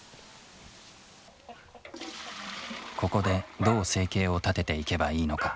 ここでどう生計を立てていけばいいのか